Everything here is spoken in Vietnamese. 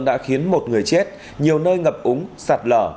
đã khiến một người chết nhiều nơi ngập úng sạt lở